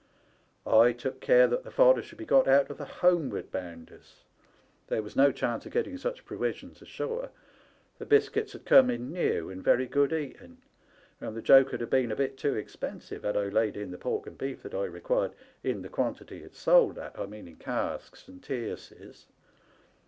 I took care that the fodder should be got out of the homeward bounders. There was no chance of getting such pro wisions ashore. The biscuits 'ud come in new and very good eatin', and the joke 'ud have been a bit too expensive had I laid in the pork and beef that I required in the quantity it's sold at~I mean in casks and tierces.